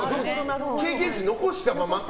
経験値を残したまま？